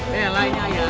bella ini ayah